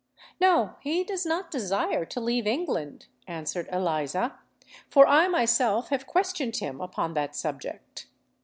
"No—he does not desire to leave England," answered Eliza; "for I myself have questioned him upon that subject.